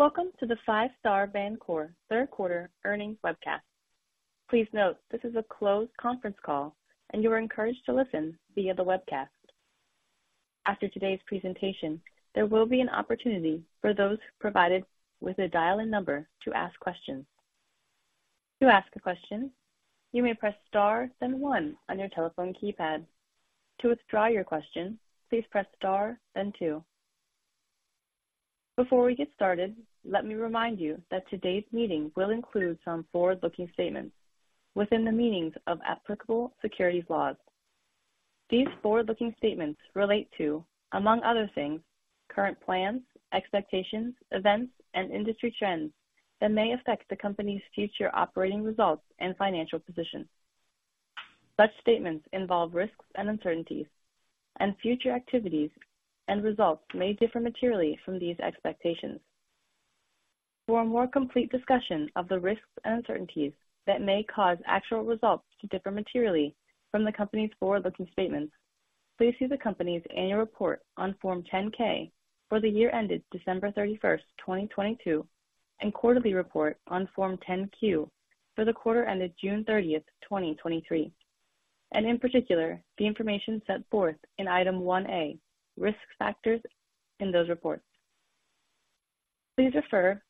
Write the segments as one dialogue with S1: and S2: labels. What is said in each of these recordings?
S1: Welcome to the Five Star Bancorp third quarter earnings webcast. Please note, this is a closed conference call and you are encouraged to listen via the webcast. After today's presentation, there will be an opportunity for those provided with a dial-in number to ask questions. To ask a question, you may press Star, then one on your telephone keypad. To withdraw your question, please press Star, then two. Before we get started, let me remind you that today's meeting will include some forward-looking statements within the meanings of applicable securities laws. These forward-looking statements relate to, among other things, current plans, expectations, events, and industry trends that may affect the company's future operating results and financial position. Such statements involve risks and uncertainties, and future activities and results may differ materially from these expectations. For a more complete discussion of the risks and uncertainties that may cause actual results to differ materially from the company's forward-looking statements, please see the company's annual report on Form 10-K for the year ended December 31, 2022, and quarterly report on Form 10-Q for the quarter ended June 30, 2023, and in particular, the information set forth in Item 1A, Risk Factors in those reports. Please refer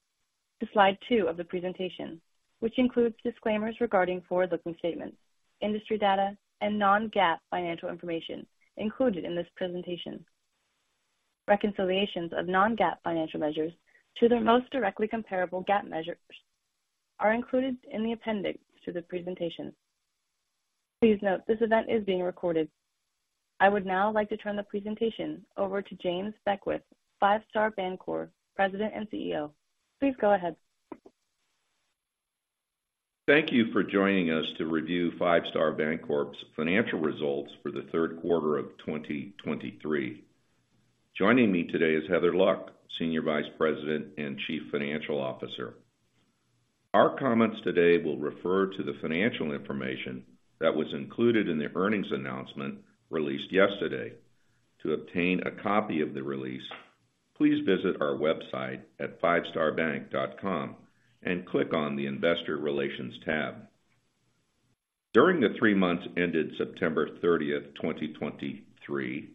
S1: to slide two of the presentation, which includes disclaimers regarding forward-looking statements, industry data, and non-GAAP financial information included in this presentation. Reconciliations of non-GAAP financial measures to their most directly comparable GAAP measures are included in the appendix to the presentation. Please note, this event is being recorded. I would now like to turn the presentation over to James Beckwith, Five Star Bancorp President and CEO. Please go ahead.
S2: Thank you for joining us to review Five Star Bancorp's financial results for the third quarter of 2023. Joining me today is Heather Luck, Senior Vice President and Chief Financial Officer. Our comments today will refer to the financial information that was included in the earnings announcement released yesterday. To obtain a copy of the release, please visit our website at fivestarbank.com and click on the Investor Relations tab. During the three months ended September 30, 2023,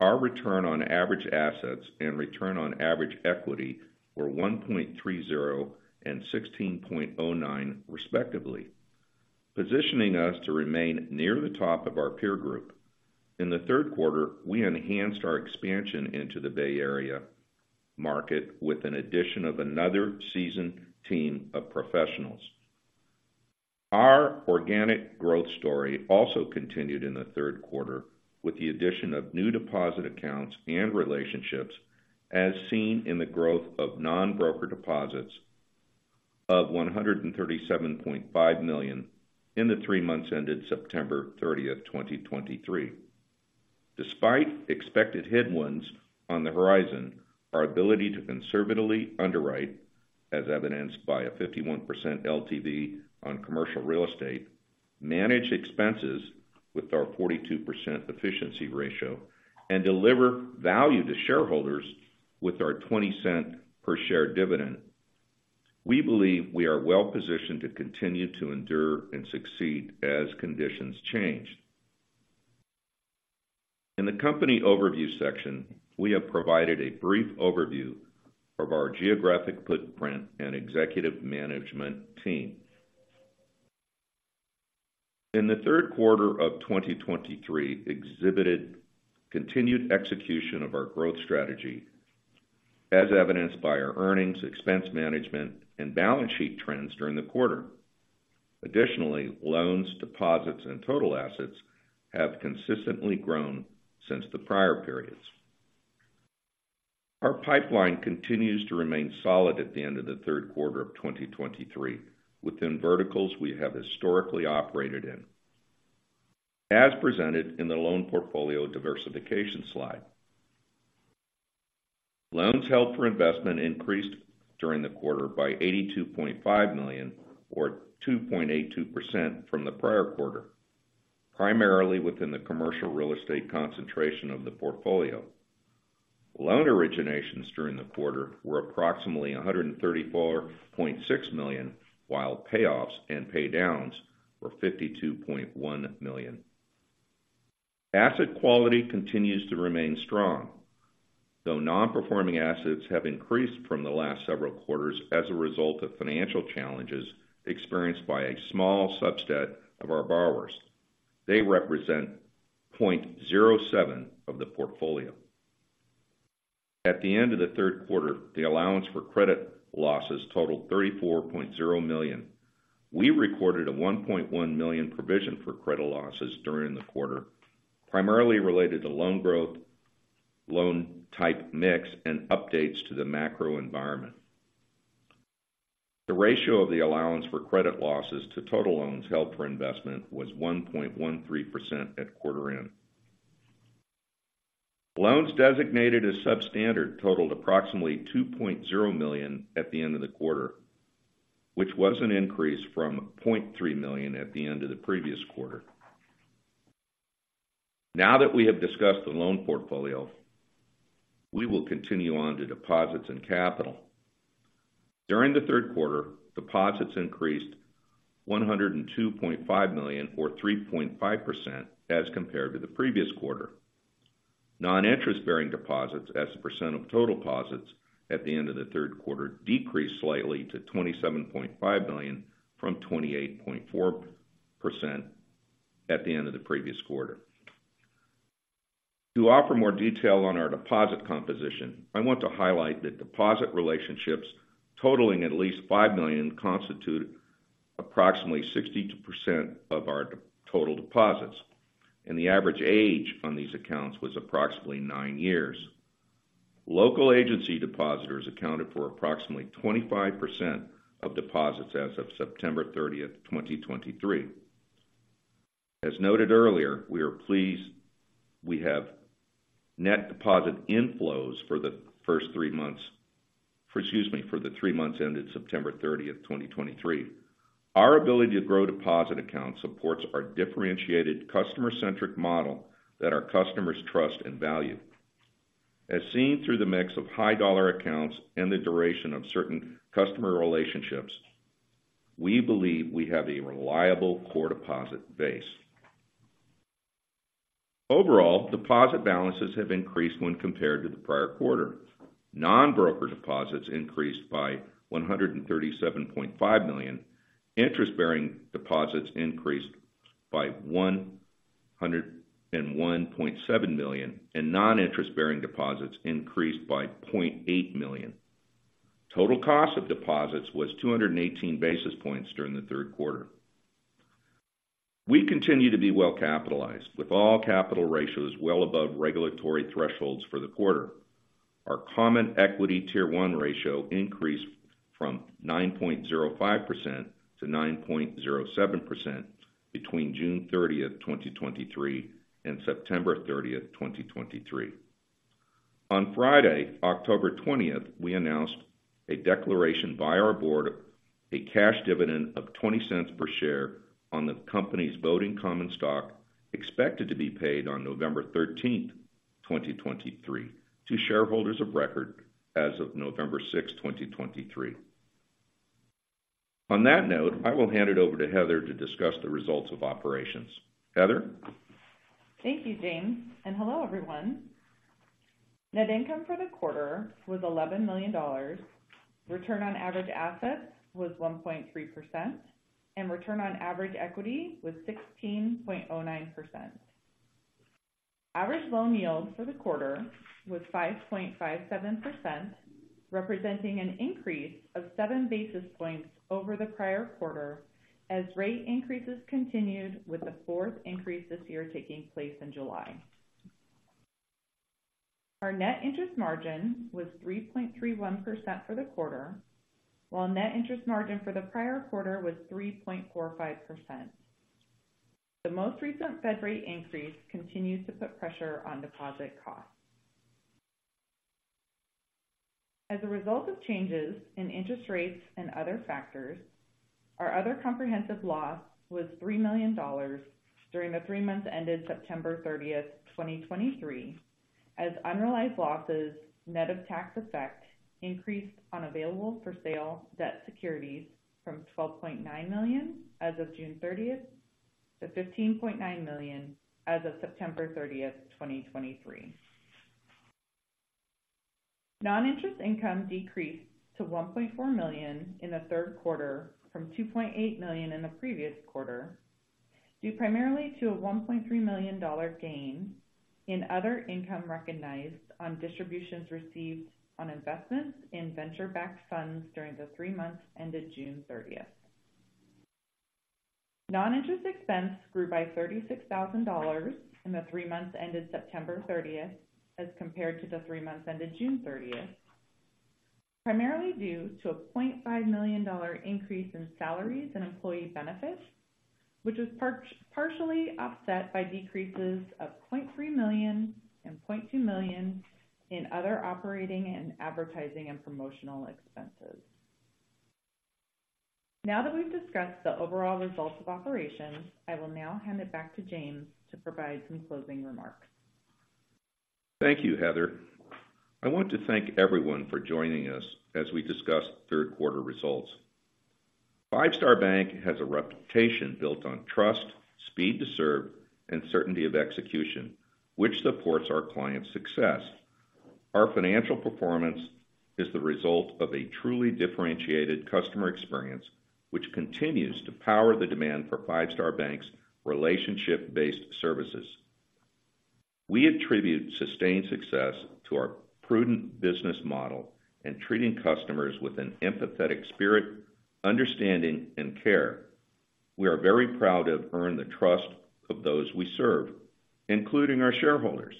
S2: our return on average assets and return on average equity were 1.30 and 16.09, respectively, positioning us to remain near the top of our peer group. In the third quarter, we enhanced our expansion into the Bay Area market with an addition of another seasoned team of professionals. Our organic growth story also continued in the third quarter, with the addition of new deposit accounts and relationships, as seen in the growth of non-broker deposits of $137.5 million in the three months ended September 30, 2023. Despite expected headwinds on the horizon, our ability to conservatively underwrite, as evidenced by a 51% LTV on commercial real estate, manage expenses with our 42% efficiency ratio, and deliver value to shareholders with our $0.20 per share dividend. We believe we are well positioned to continue to endure and succeed as conditions change. In the Company Overview section, we have provided a brief overview of our geographic footprint and executive management team. In the third quarter of 2023, exhibited continued execution of our growth strategy, as evidenced by our earnings, expense management, and balance sheet trends during the quarter. Additionally, loans, deposits and total assets have consistently grown since the prior periods. Our pipeline continues to remain solid at the end of the third quarter of 2023 within verticals we have historically operated in. As presented in the loan portfolio diversification slide, loans held for investment increased during the quarter by $82.5 million, or 2.82% from the prior quarter, primarily within the commercial real estate concentration of the portfolio. Loan originations during the quarter were approximately $134.6 million, while payoffs and pay downs were $52.1 million. Asset quality continues to remain strong, though non-performing assets have increased from the last several quarters as a result of financial challenges experienced by a small subset of our borrowers. They represent 0.07% of the portfolio. At the end of the third quarter, the allowance for credit losses totaled $34.0 million. We recorded a $1.1 million provision for credit losses during the quarter, primarily related to loan growth, loan type mix, and updates to the macro environment. The ratio of the allowance for credit losses to total loans held for investment was 1.13% at quarter end. Loans designated as substandard totaled approximately $2.0 million at the end of the quarter, which was an increase from $0.3 million at the end of the previous quarter. Now that we have discussed the loan portfolio, we will continue on to deposits and capital. During the third quarter, deposits increased $102.5 million, or 3.5% as compared to the previous quarter. Noninterest-bearing deposits as a percent of total deposits at the end of the third quarter decreased slightly to 27.5% from 28.4% at the end of the previous quarter. To offer more detail on our deposit composition, I want to highlight that deposit relationships totaling at least $5 million constitute approximately 62% of our total deposits, and the average age on these accounts was approximately 9 years. Local agency depositors accounted for approximately 25% of deposits as of September 30, 2023. As noted earlier, we are pleased we have net deposit inflows for the first three months, excuse me, for the three months ended September 30, 2023. Our ability to grow deposit accounts supports our differentiated customer-centric model that our customers trust and value. As seen through the mix of high dollar accounts and the duration of certain customer relationships, we believe we have a reliable core deposit base. Overall, deposit balances have increased when compared to the prior quarter. Non-broker deposits increased by $137.5 million. Interest-bearing deposits increased by $101.7 million, and non-interest-bearing deposits increased by $0.8 million. Total cost of deposits was 218 basis points during the third quarter. We continue to be well capitalized, with all capital ratios well above regulatory thresholds for the quarter. Our Common Equity Tier 1 ratio increased from 9.05% to 9.07% between June 30, 2023, and September 30, 2023. On Friday, October 20, we announced a declaration by our board, a cash dividend of $0.20 per share on the company's voting common stock, expected to be paid on November 13, 2023, to shareholders of record as of November 6, 2023. On that note, I will hand it over to Heather to discuss the results of operations. Heather?
S3: Thank you, James, and hello, everyone. Net income for the quarter was $11 million. Return on average assets was 1.3%, and return on average equity was 16.09%. Average loan yield for the quarter was 5.57%, representing an increase of seven basis points over the prior quarter as rate increases continued, with the fourth increase this year taking place in July. Our net interest margin was 3.31% for the quarter, while net interest margin for the prior quarter was 3.45%. The most recent Fed rate increase continued to put pressure on deposit costs. As a result of changes in interest rates and other factors, our other comprehensive loss was $3 million during the three months ended September 30, 2023, as unrealized losses, net of tax effect, increased on available-for-sale debt securities from $12.9 million as of June 30, to $15.9 million as of September 30, 2023. Non-interest income decreased to $1.4 million in the third quarter from $2.8 million in the previous quarter, due primarily to a $1.3 million gain in other income recognized on distributions received on investments in venture-backed funds during the three months ended June 30. Non-interest expense grew by $36,000 in the three months ended September 30th, as compared to the three months ended June 30th, primarily due to a $0.5 million increase in salaries and employee benefits, which was partially offset by decreases of $0.3 million and $0.2 million in other operating and advertising and promotional expenses. Now that we've discussed the overall results of operations, I will now hand it back to James to provide some closing remarks.
S2: Thank you, Heather. I want to thank everyone for joining us as we discuss third quarter results. Five Star Bank has a reputation built on trust, speed to serve, and certainty of execution, which supports our clients' success. Our financial performance is the result of a truly differentiated customer experience, which continues to power the demand for Five Star Bank's relationship-based services. We attribute sustained success to our prudent business model and treating customers with an empathetic spirit, understanding, and care. We are very proud to have earned the trust of those we serve, including our shareholders.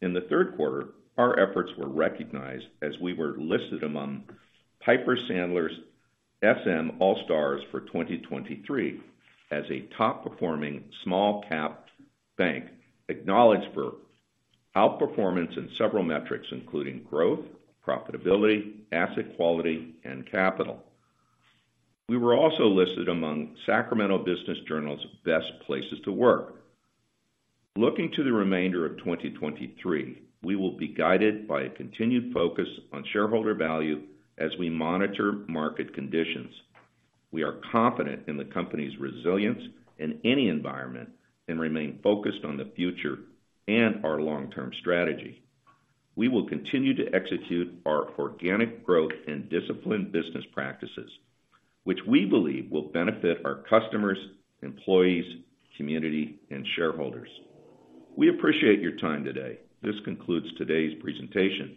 S2: In the third quarter, our efforts were recognized as we were listed among Piper Sandler's Sm-All Stars for 2023 as a top-performing small-cap bank, acknowledged for outperformance in several metrics, including growth, profitability, asset quality, and capital. We were also listed among Sacramento Business Journal's Best Places to Work. Looking to the remainder of 2023, we will be guided by a continued focus on shareholder value as we monitor market conditions. We are confident in the company's resilience in any environment and remain focused on the future and our long-term strategy. We will continue to execute our organic growth and disciplined business practices, which we believe will benefit our customers, employees, community, and shareholders. We appreciate your time today. This concludes today's presentation.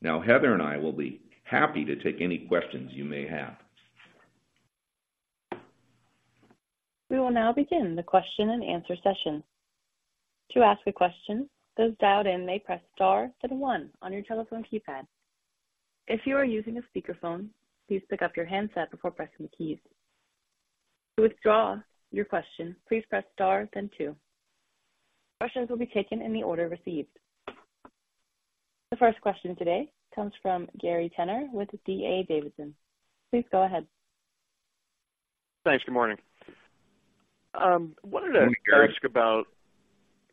S2: Now, Heather and I will be happy to take any questions you may have.
S1: We will now begin the question and answer session. To ask a question, those dialed in may press star then one on your telephone keypad. If you are using a speakerphone, please pick up your handset before pressing the keys. To withdraw your question, please press star then two. Questions will be taken in the order received. The first question today comes from Gary Tenner with D.A. Davidson. Please go ahead.
S4: Thanks. Good morning. Wanted to-
S2: Good morning, Gary.
S4: Good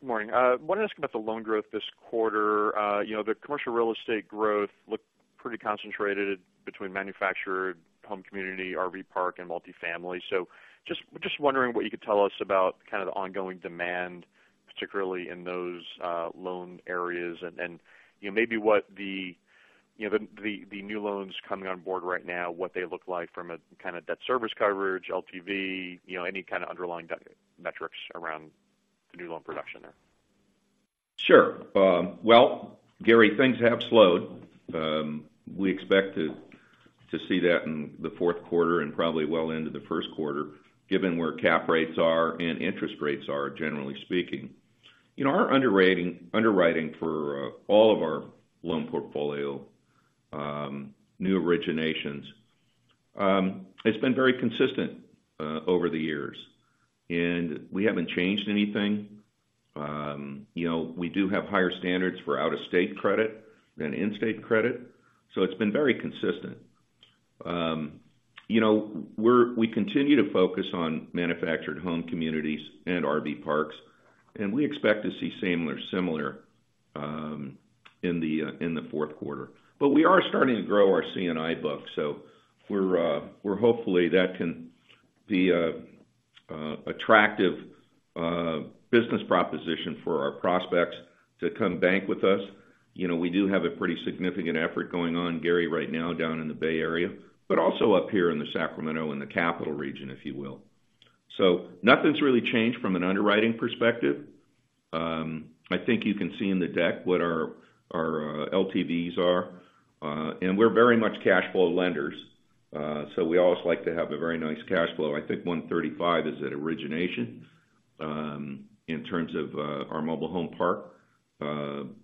S4: morning. Wanted to ask about the loan growth this quarter. You know, the commercial real estate growth looked pretty concentrated between manufactured home community, RV park, and multifamily. So just wondering what you could tell us about kind of the ongoing demand, particularly in those loan areas, and you know, maybe what the new loans coming on board right now look like from a kind of debt service coverage, LTV, you know, any kind of underlying DSCR metrics around the new loan production there.
S2: Sure. Well, Gary, things have slowed. We expect to see that in the fourth quarter and probably well into the first quarter, given where cap rates are and interest rates are, generally speaking. You know, our underwriting for all of our loan portfolio, new originations, it's been very consistent over the years, and we haven't changed anything. You know, we do have higher standards for out-of-state credit than in-state credit, so it's been very consistent. You know, we continue to focus on manufactured home communities and RV parks, and we expect to see similar in the fourth quarter. But we are starting to grow our C&I book, so we're hopeful that can be an attractive business proposition for our prospects to come bank with us. You know, we do have a pretty significant effort going on, Gary, right now down in the Bay Area, but also up here in the Sacramento, in the capital region, if you will. So nothing's really changed from an underwriting perspective. I think you can see in the deck what our LTVs are, and we're very much cash flow lenders. So we always like to have a very nice cash flow. I think 1.35 is at origination in terms of our mobile home park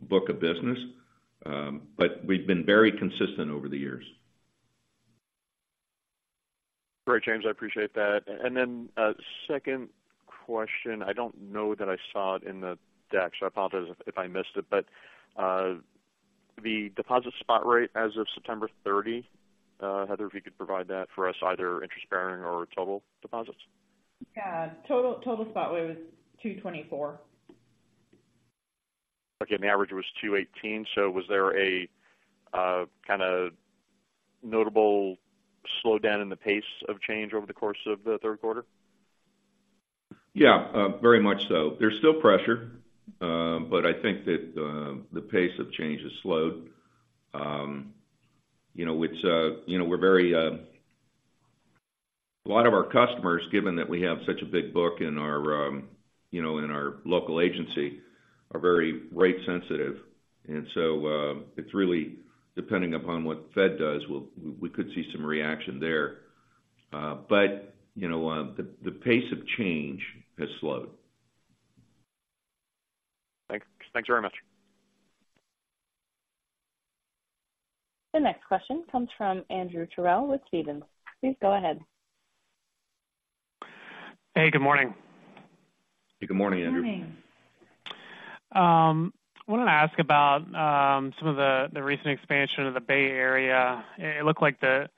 S2: book of business. But we've been very consistent over the years.
S4: Great, James. I appreciate that. And then, second question, I don't know that I saw it in the deck, so I apologize if I missed it, but, the deposit spot rate as of September 30, Heather, if you could provide that for us, either interest-bearing or total deposits.
S3: Yeah. Total, total spot rate was 2.24.
S4: Okay, and the average was 2.18. So was there a kind of notable slowdown in the pace of change over the course of the third quarter?
S2: Yeah, very much so. There's still pressure, but I think that the pace of change has slowed. You know, it's you know, we're very a lot of our customers, given that we have such a big book in our you know, in our local agency, are very rate sensitive. And so, it's really depending upon what the Fed does, we could see some reaction there. But you know, the pace of change has slowed.
S4: Thanks. Thanks very much.
S1: The next question comes from Andrew Terrell with Stephens. Please go ahead.
S5: Hey, good morning.
S2: Good morning, Andrew.
S3: Good morning.
S5: Wanted to ask about some of the recent expansion of the Bay Area. It looked like the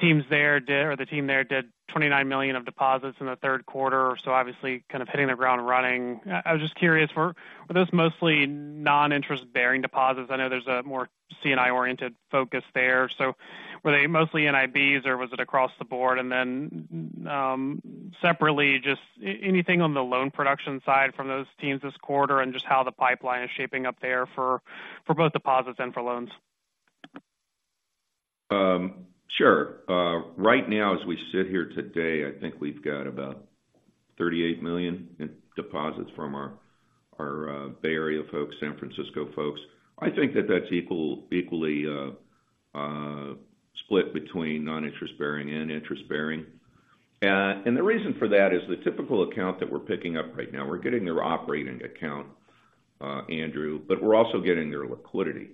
S5: teams there did $29 million of deposits in the third quarter, so obviously kind of hitting the ground running. I was just curious, were those mostly non-interest bearing deposits? I know there's a more C&I-oriented focus there. So were they mostly NIBs, or was it across the board? And then, separately, just anything on the loan production side from those teams this quarter and just how the pipeline is shaping up there for both deposits and for loans?
S2: Sure. Right now, as we sit here today, I think we've got about $38 million in deposits from our Bay Area folks, San Francisco folks. I think that's equally split between non-interest bearing and interest bearing. And the reason for that is the typical account that we're picking up right now, we're getting their operating account, Andrew, but we're also getting their liquidity.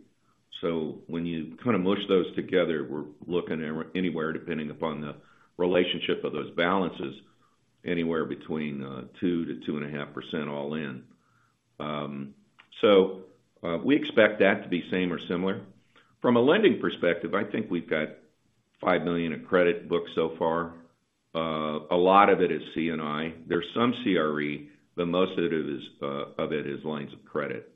S2: So when you kind of mush those together, we're looking at anywhere, depending upon the relationship of those balances, anywhere between 2%-2.5% all in. So we expect that to be same or similar. From a lending perspective, I think we've got $5 million in credit books so far. Alot of it is C&I. There's some CRE, but most of it is lines of credit.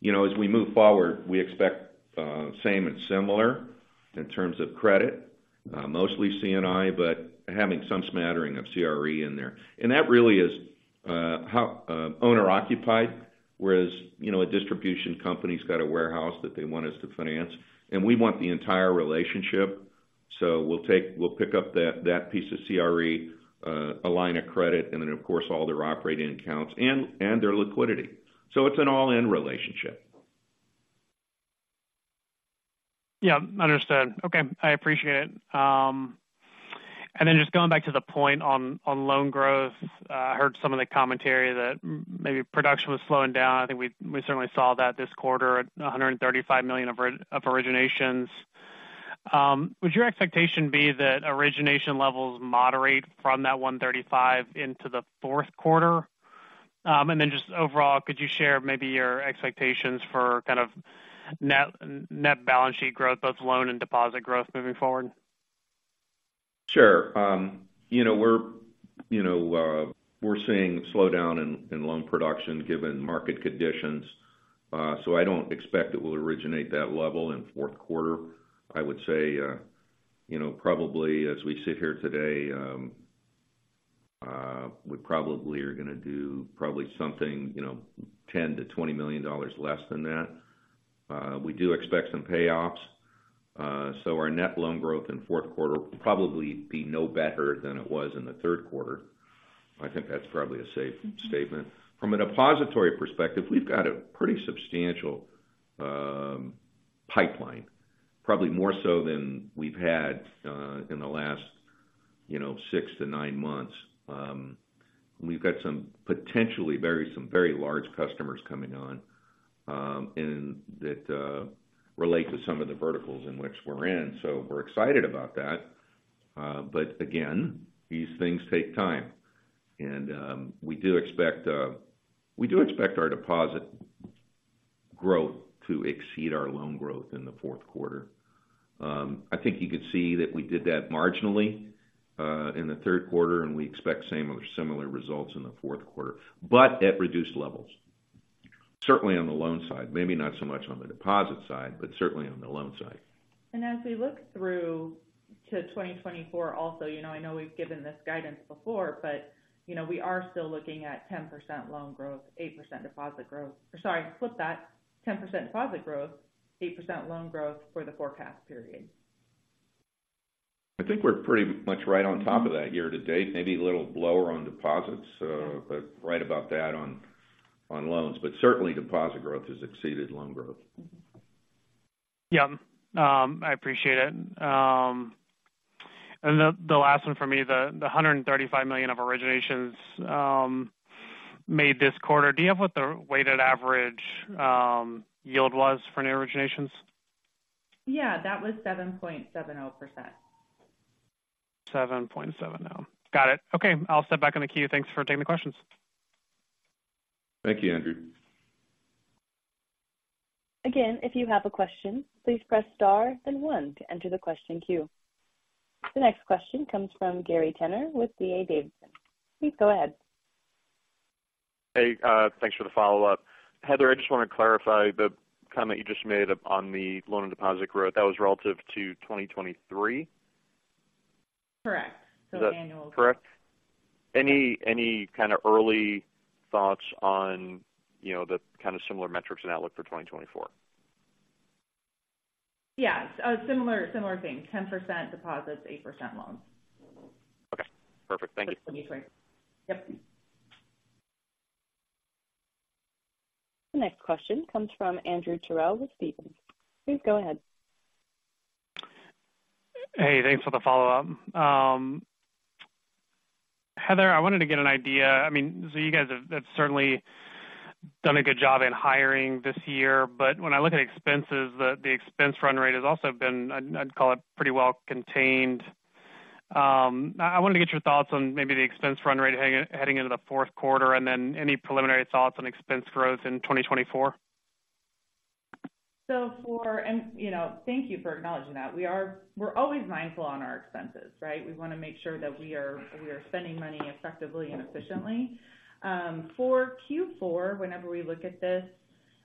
S2: You know, as we move forward, we expect same and similar in terms of credit. Mostly C&I, but having some smattering of CRE in there. And that really is how owner-occupied, whereas, you know, a distribution company's got a warehouse that they want us to finance, and we want the entire relationship. So we'll take we'll pick up that that piece of CRE, a line of credit, and then, of course, all their operating accounts and their liquidity. So it's an all-in relationship.
S5: Yeah, understood. Okay, I appreciate it. And then just going back to the point on loan growth. I heard some of the commentary that maybe production was slowing down. I think we certainly saw that this quarter at $135 million of originations. Would your expectation be that origination levels moderate from that 135 into the fourth quarter? And then just overall, could you share maybe your expectations for kind of net balance sheet growth, both loan and deposit growth moving forward?
S2: Sure. You know, we're, you know, we're seeing slowdown in loan production given market conditions. So I don't expect it will originate that level in fourth quarter. I would say, you know, probably as we sit here today, we probably are gonna do probably something, you know, $10-$20 million less than that. We do expect some payoffs, so our net loan growth in fourth quarter will probably be no better than it was in the third quarter. I think that's probably a safe statement. From a depository perspective, we've got a pretty substantial pipeline, probably more so than we've had in the last, you know, six to nine months. We've got some potentially very, some very large customers coming on, and that relate to some of the verticals in which we're in. So we're excited about that. But again, these things take time and, we do expect our deposit growth to exceed our loan growth in the fourth quarter. I think you could see that we did that marginally in the third quarter, and we expect same or similar results in the fourth quarter, but at reduced levels. Certainly on the loan side, maybe not so much on the deposit side, but certainly on the loan side.
S3: As we look through to 2024 also, you know, I know we've given this guidance before, but, you know, we are still looking at 10% loan growth, 8% deposit growth. Or sorry, flip that. 10% deposit growth, 8% loan growth for the forecast period.
S2: I think we're pretty much right on top of that year to date, maybe a little lower on deposits,
S3: Yeah...
S2: but right about that on loans. But certainly deposit growth has exceeded loan growth.
S3: Mm-hmm.
S5: Yeah. I appreciate it. And the last one for me, the $135 million of originations made this quarter, do you have what the weighted average yield was for new originations?
S3: Yeah, that was 7.70%.
S5: 7.70. Got it. Okay, I'll step back on the queue. Thanks for taking the questions.
S2: Thank you, Andrew.
S1: Again, if you have a question, please press star then one to enter the question queue. The next question comes from Gary Tenner with D.A. Davidson. Please go ahead.
S4: Hey, thanks for the follow-up. Heather, I just want to clarify the comment you just made on the loan and deposit growth. That was relative to 2023?
S3: Correct.
S4: Is that-
S3: So annual.
S2: Correct?
S4: Any, any kind of early thoughts on, you know, the kind of similar metrics and outlook for 2024?
S3: Yeah. A similar thing, 10% deposits, 8% loans.
S4: Okay, perfect. Thank you.
S3: 2024. Yep.
S1: The next question comes from Andrew Terrell with Stephens. Please go ahead.
S5: Hey, thanks for the follow-up. Heather, I wanted to get an idea... I mean, so you guys have certainly done a good job in hiring this year, but when I look at expenses, the expense run rate has also been, I'd call it pretty well contained. I wanted to get your thoughts on maybe the expense run rate heading into the fourth quarter, and then any preliminary thoughts on expense growth in 2024.
S3: So, and, you know, thank you for acknowledging that. We're always mindful on our expenses, right? We want to make sure that we are spending money effectively and efficiently. For Q4, whenever we look at this,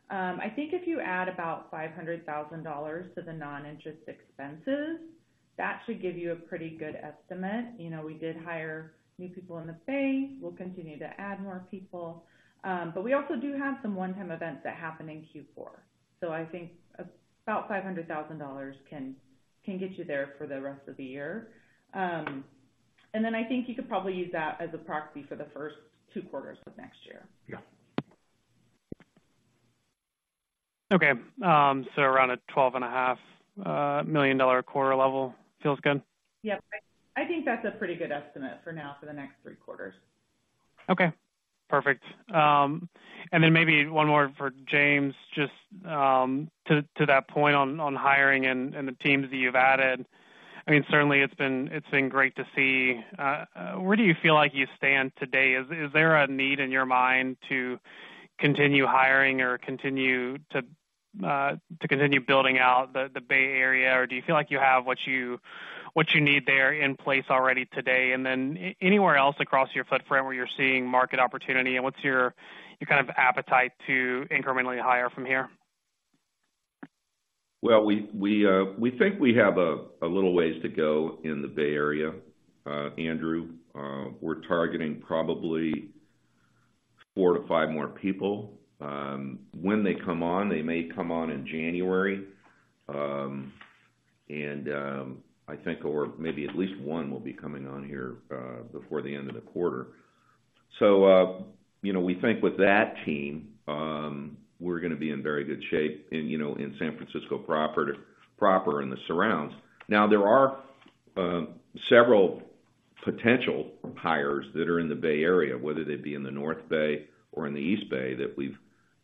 S3: I think if you add about $500,000 to the non-interest expenses, that should give you a pretty good estimate. You know, we did hire new people in the bank. We'll continue to add more people, but we also do have some one-time events that happen in Q4. So I think about $500,000 can get you there for the rest of the year. And then I think you could probably use that as a proxy for the first two quarters of next year.
S5: Yeah. Okay. So around a $12.5 million quarter level feels good?
S3: Yep. I think that's a pretty good estimate for now, for the next three quarters.
S5: Okay, perfect. And then maybe one more for James. Just to that point on hiring and the teams that you've added. I mean, certainly it's been great to see. Where do you feel like you stand today? Is there a need in your mind to continue hiring or continue building out the Bay Area? Or do you feel like you have what you need there in place already today? And then anywhere else across your footprint where you're seeing market opportunity, and what's your kind of appetite to incrementally hire from here?
S2: Well, we think we have a little ways to go in the Bay Area, Andrew. We're targeting probably four to five more people. When they come on, they may come on in January. I think or maybe at least one will be coming on here before the end of the quarter. So, you know, we think with that team, we're gonna be in very good shape in, you know, in San Francisco, proper and the surrounds. Now, there are several potential hires that are in the Bay Area, whether they be in the North Bay or in the East Bay, that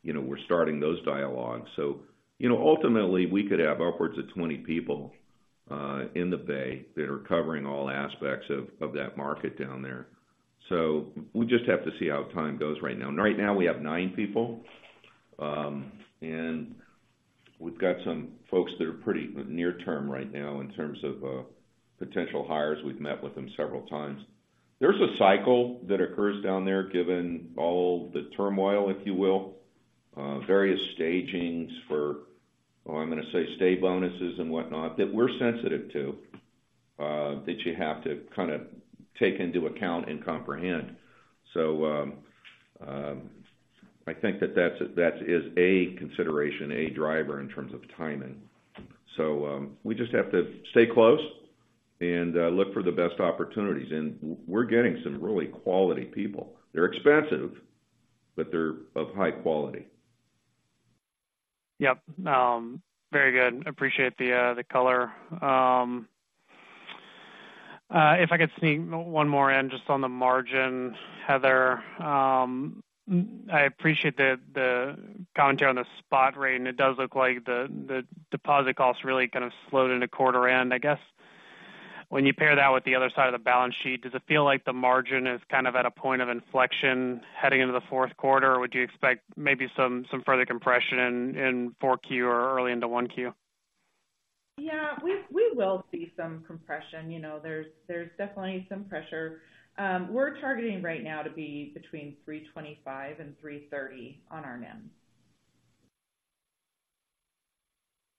S2: you know, we're starting those dialogues. So, you know, ultimately, we could have upwards of 20 people in the Bay that are covering all aspects of that market down there. So we just have to see how time goes right now. Right now, we have nine people, and we've got some folks that are pretty near term right now in terms of potential hires. We've met with them several times. There's a cycle that occurs down there, given all the turmoil, if you will, various stagings for, oh, I'm gonna say, stay bonuses and whatnot, that we're sensitive to, that you have to kind of take into account and comprehend. I think that that's, that is a consideration, a driver in terms of timing. So we just have to stay close and look for the best opportunities. And we're getting some really quality people. They're expensive, but they're of high quality.
S5: Yep. Very good. Appreciate the color. If I could sneak one more in just on the margin, Heather. I appreciate the commentary on the spot rate, and it does look like the deposit costs really kind of slowed in the quarter end. I guess, when you pair that with the other side of the balance sheet, does it feel like the margin is kind of at a point of inflection heading into the fourth quarter? Would you expect maybe some further compression in 4Q or early into 1Q?
S3: Yeah, we will see some compression. You know, there's definitely some pressure. We're targeting right now to be between 3.25%-3.30% on our NIM.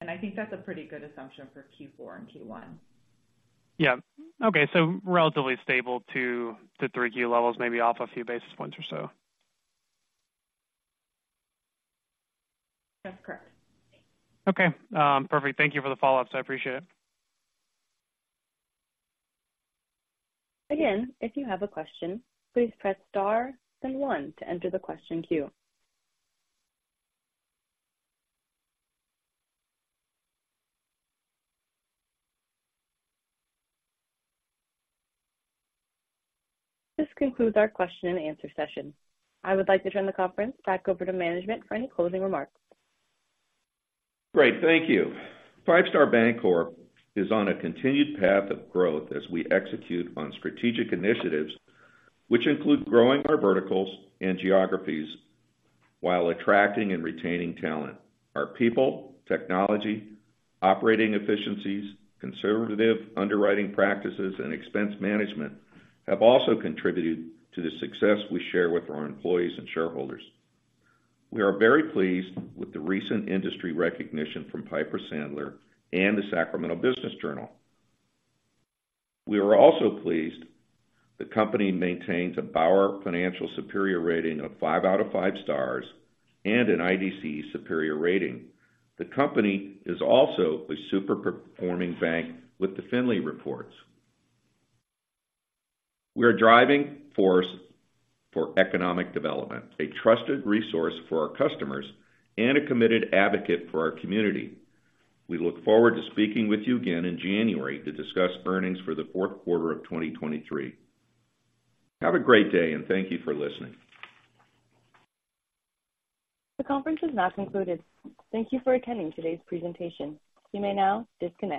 S3: I think that's a pretty good assumption for Q4 and Q1.
S5: Yeah. Okay, so relatively stable to the 3Q levels, maybe off a few basis points or so.
S3: That's correct.
S5: Okay, perfect. Thank you for the follow-ups. I appreciate it.
S1: Again, if you have a question, please press Star then one to enter the question queue. This concludes our question and answer session. I would like to turn the conference back over to management for any closing remarks.
S2: Great, thank you. Five Star Bancorp is on a continued path of growth as we execute on strategic initiatives, which include growing our verticals and geographies while attracting and retaining talent. Our people, technology, operating efficiencies, conservative underwriting practices, and expense management have also contributed to the success we share with our employees and shareholders. We are very pleased with the recent industry recognition from Piper Sandler and the Sacramento Business Journal. We are also pleased the company maintains a Bauer Financial superior rating of five out of five stars and an IDC superior rating. The company is also a super performing bank with the Findley Reports. We are a driving force for economic development, a trusted resource for our customers, and a committed advocate for our community. We look forward to speaking with you again in January to discuss earnings for the fourth quarter of 2023. Have a great day, and thank you for listening.
S1: The conference is now concluded. Thank you for attending today's presentation. You may now disconnect.